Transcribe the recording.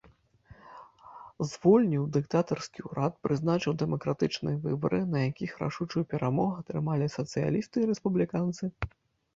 Звольніў дыктатарскі ўрад, прызначыў дэмакратычныя выбары, на якіх рашучую перамогу атрымалі сацыялісты і рэспубліканцы.